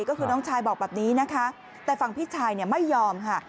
ก็คือน้องชายบอกแบบนี้นะคะแต่ฝั่งพี่ชายเนี่ยไม่ยอมค่ะ